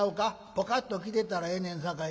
ぽかっときてたらええねんさかいな。